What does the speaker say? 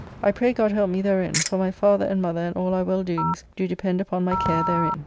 I pray God help me therein, for my father and mother and all our well doings do depend upon my care therein.